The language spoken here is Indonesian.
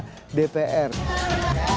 kami disini berdua